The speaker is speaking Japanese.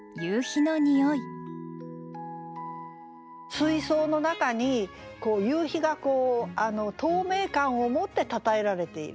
水槽の中に夕日がこう透明感を持ってたたえられている。